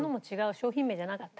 商品名じゃなかった。